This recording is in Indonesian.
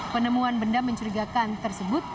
penemuan benda mencurigakan tersebut